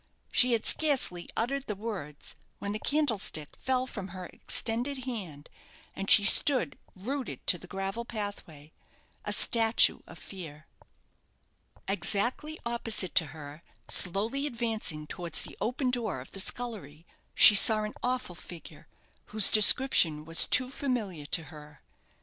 She had scarcely uttered the words when the candlestick fell from her extended hand, and she stood rooted to the gravel pathway a statue of fear. Exactly opposite to her, slowly advancing towards the open door of the scullery, she saw an awful figure whose description was too familiar to her.